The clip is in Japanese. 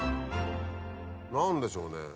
何でしょうね